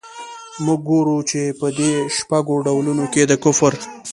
موږ ګورو چي په دې شپږو ډولونو کي د کفر.